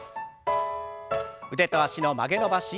腕と脚の曲げ伸ばし。